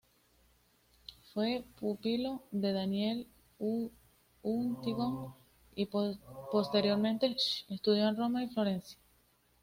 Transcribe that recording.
Fue pupilo de Daniel Huntington, y posteriormente estudió en Roma y Florencia.